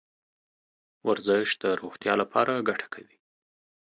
ورزش د روغتیا لپاره ګټه کوي .